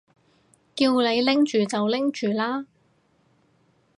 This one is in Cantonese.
叫你拎住就拎住啦